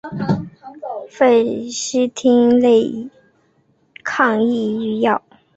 氟西汀类抗抑郁药。